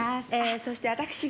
そして私が。